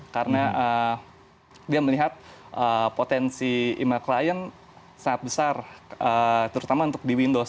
karena dia melihat potensi email klien sangat besar terutama untuk di windows